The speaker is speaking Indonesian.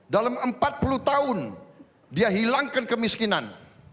dalam empat puluh tahun dia hilangkan kemiskinan